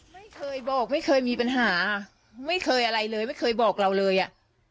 ไม่เคยบอกไม่เคยมีปัญหาไม่เคยอะไรเลยไม่เคยบอกเราเลยอ่ะ